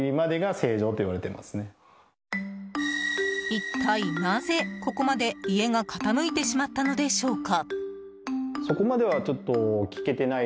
一体なぜ、ここまで家が傾いてしまったのでしょうか。